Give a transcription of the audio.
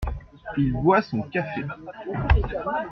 Il boit son café.